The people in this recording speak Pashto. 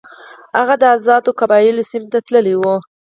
هغه د آزادو قبایلو سیمې ته تللی وو.